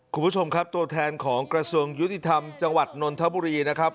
คุณผู้ชมครับตัวแทนของกระทรวงยุติธรรมจังหวัดนนทบุรีนะครับ